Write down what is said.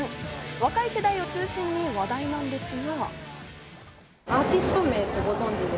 若い世代を中心に話題なんですが。